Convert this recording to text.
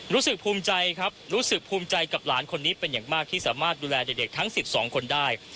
รู้สึกภูมิใจครับรู้สึกภูมิใจกับหลานคนนี้เป็นอย่างมากที่สามารถดูแลเด็กทั้ง๑๒คนได้